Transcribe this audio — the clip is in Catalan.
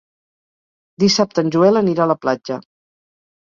Dissabte en Joel anirà a la platja.